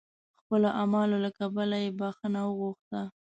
خپلو اعمالو له کبله یې بخښنه وغوښته.